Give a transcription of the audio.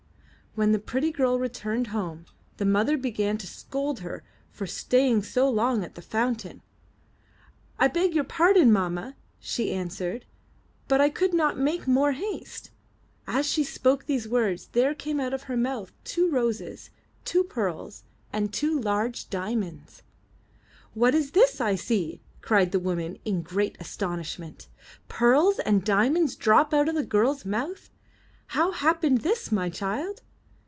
When the pretty girl returned home, the mother began to scold her for staying so long at the fountain. '1 beg your pardon, mamma," she answered, ''but I could not make more haste." As she spoke these words, there came out of her mouth two roses, two pearls, and two large diamonds. *'What is this I see?" cried the woman in great astonishment. 'Tearls and diamonds drop out of the girl's mouth! How happened this, my child?"